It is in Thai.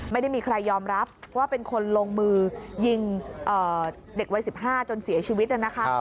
ไม่ได้มีใครยอมรับว่าเป็นคนลงมือยิงเด็กวัย๑๕จนเสียชีวิตนะคะ